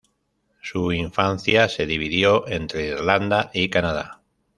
Su infancia se dividió entre Irlanda y Canadá.